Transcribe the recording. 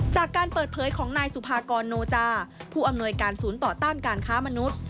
จากการเปิดเผยของนายสุภากรโนจาผู้อำนวยการศูนย์ต่อต้านการค้ามนุษย์